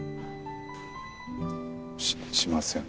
ししません。